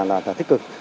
là rất là thích cực